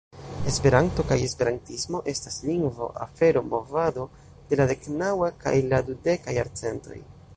Esperanto kaj esperantismo estas lingvo, afero, movado de la deknaŭa kaj la dudeka jarcentoj.